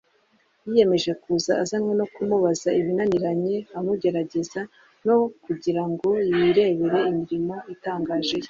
yiyemeje kuza azanywe no kumubaza ibinaniranye, amugererageza no kugira ngo yirebere imirimo itangaje ye